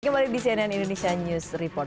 kembali di cnn indonesia news report